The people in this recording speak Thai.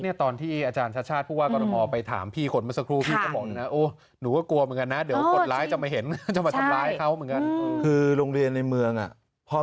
เนี่ยตอนที่อาจารย์ชาชาติพูดว่าก็พอไปถามพี่คนมาสักครู่พี่ก็บอกนะโอ้หนูก็กลัวเหมือนกันนะเดี๋ยวคนร้ายจะมาเห็นจะมาทำร้ายเขาเหมือนกัน